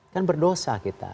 kan berdosa kita